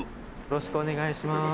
よろしくお願いします。